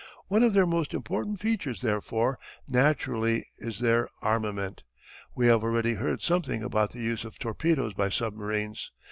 One of their most important features, therefore, naturally is their armament. We have already heard something about the use of torpedoes by submarines.